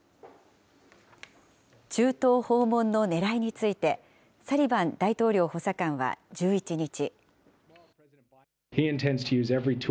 中東訪問のねらいについて、サリバン大統領補佐官は１１日。